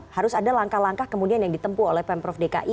harus ada langkah langkah kemudian yang ditempu oleh pemprov dki